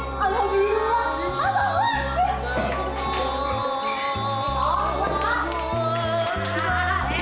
tentu mau kenapa